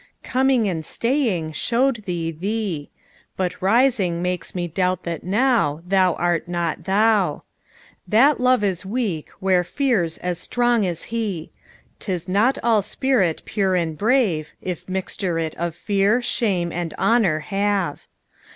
Coming and staying show'd thee thee; But rising makes me doubt that nowThou art not thou. That Love is weak where Fear's as strong as he;'Tis not all spirit pure and brave, If mixture it of Fear, Shame, Honour have.